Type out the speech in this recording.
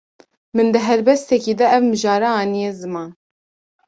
Min di helbestekî de ev mijara aniye ziman.